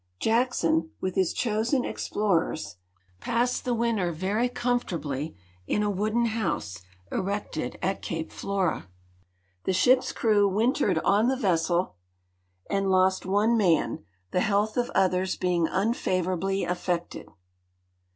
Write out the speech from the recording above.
Jackson, with his chosen explorers, passed the 88 GEOGRAPHIC NOTES winter vers' comfortabl}' in a wooden house erected at cape Flora. Tlie ship's crew wintered on the vessel and lost one man, the health of others being unfavorably 'affected.